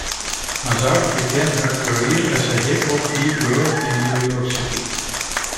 Mazar began her career as a hip hop b-girl in New York City.